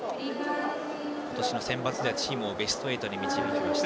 今年のセンバツではチームをベスト８に導きました。